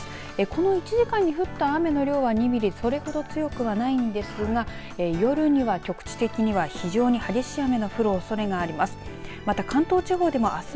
この１時間に降った雨の量は２ミリそれほど強くはないんですが夜には局地的には非常に激しい雨の降るおそれがあります。